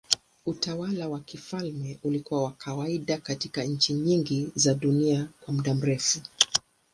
Utawala wa kifalme ulikuwa wa kawaida katika nchi nyingi za dunia kwa muda mrefu.